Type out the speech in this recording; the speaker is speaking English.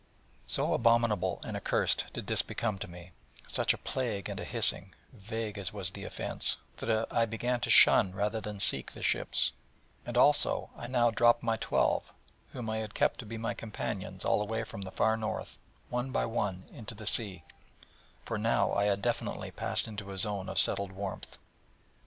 So abominable and accursed did this become to me, such a plague and a hissing, vague as was the offence, that I began to shun rather than seek the ships, and also I now dropped my twelve, whom I had kept to be my companions all the way from the Far North, one by one, into the sea: for now I had definitely passed into a zone of settled warmth.